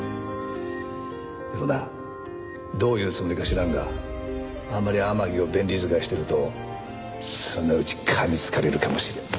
でもなどういうつもりか知らんがあんまり天樹を便利使いしてるとそのうち噛みつかれるかもしれんぞ。